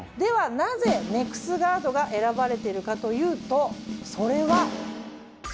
なぜネクスガードが選ばれているかというとそれは。